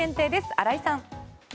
荒井さん。